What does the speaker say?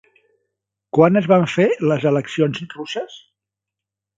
Quan es van fer les eleccions russes?